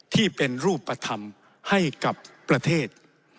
ที่เป็นรูปธรรมให้กับประเทศ